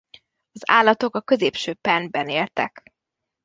Az állatok a középső permben éltek.